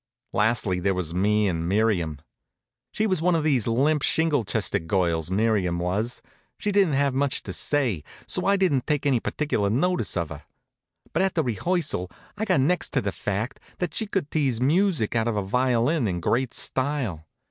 Lastly there was me an' Miriam. She was one of these limp, shingle chested girls, Miriam was. She didn't have much to say, so I didn't take any particular notice of her. But at the rehearsal I got next to the fact that she could tease music out of a violin in great style.